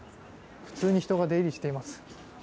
普通に人が出入りしています。